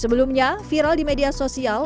sebelumnya viral di media sosial